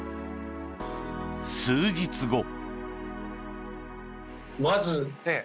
数日後。